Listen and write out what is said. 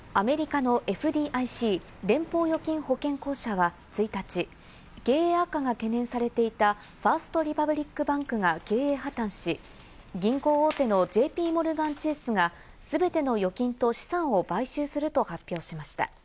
アメリカのＦＤＩＣ＝連邦預金保険公社は１日、経営悪化が懸念されていたファースト・リパブリック・バンクが経営破綻し、銀行大手のＪＰモルガン・チェースがすべての預金と資産を買収すると発表しました。